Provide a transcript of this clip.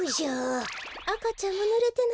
あかちゃんはぬれてない？